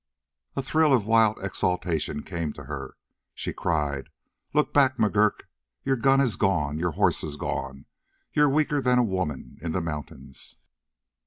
A thrill of wild exultation came to her. She cried: "Look back, McGurk! Your gun is gone, your horse is gone; you're weaker than a woman in the mountains!"